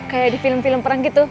kayak di film film perang gitu